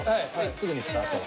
すぐにスタート。